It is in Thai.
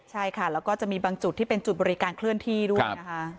ใช่ค่ะแล้วก็จะมีบางจุดที่เป็นจุดบริการเคลื่อนที่ด้วยนะคะ